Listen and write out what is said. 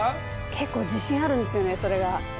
結構自信あるんですよねそれが。